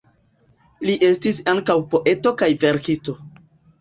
Li estis ankaŭ poeto kaj verkisto.